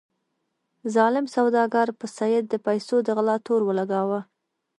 ظالم سوداګر په سید د پیسو د غلا تور ولګاوه.